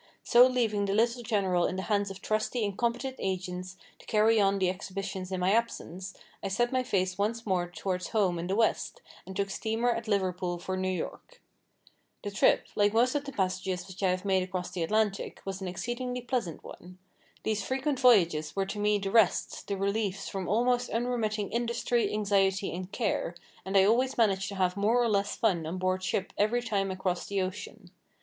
So leaving the little General in the hands of trusty and competent agents to carry on the exhibitions in my absence, I set my face once more towards home and the west, and took steamer at Liverpool for New York. The trip, like most of the passages which I have made across the Atlantic, was an exceedingly pleasant one. These frequent voyages were to me the rests, the reliefs from almost unremitting industry, anxiety, and care, and I always managed to have more or less fun on board ship every time I crossed the ocean.